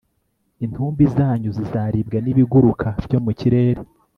intumbi zanyu zizaribwa n'ibiguruka byo mu kirere